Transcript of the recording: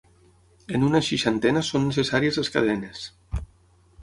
En una seixantena són necessàries les cadenes.